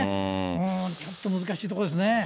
うーん、ちょっと難しいところですね。